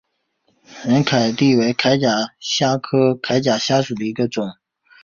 仁娣柯铠虾为铠甲虾科柯铠虾属下的一个种。